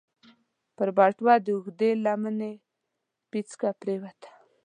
پر بټوه د اوږدې لمنې پيڅکه پرېوته.